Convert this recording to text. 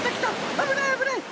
あぶないあぶない！